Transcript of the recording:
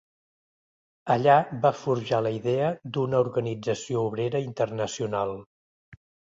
Allà va forjar la idea d'una organització obrera internacional.